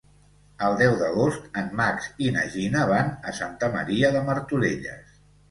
El deu d'agost en Max i na Gina van a Santa Maria de Martorelles.